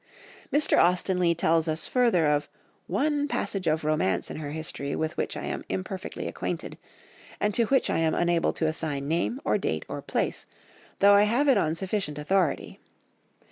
Mr. Austen Leigh tells us further of "one passage of romance in her history with which I am imperfectly acquainted, and to which I am unable to assign name, or date, or place, though I have it on sufficient authority.